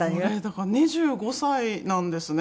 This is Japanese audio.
だから２５歳なんですね